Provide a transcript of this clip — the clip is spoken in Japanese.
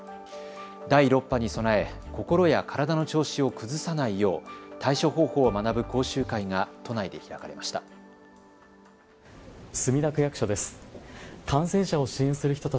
第６波に備え、心や体の調子を崩さないよう対処方法を学ぶ講習会が都内で開かれました。